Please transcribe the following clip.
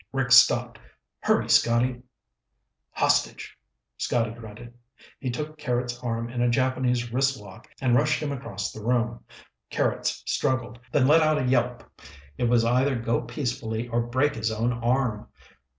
Rick stopped. "Hurry, Scotty!" "Hostage," Scotty grunted. He took Carrots' arm in a Japanese wristlock and rushed him across the room. Carrots struggled, then let out a yelp. It was either go peacefully or break his own arm.